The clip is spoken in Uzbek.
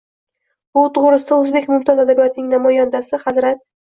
Bu to‘g‘risida o‘zbek mumtoz adabiyotining nomayondasi hazrat A